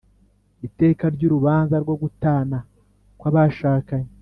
iteka ry urubanza rwo gutana kwa bashakanye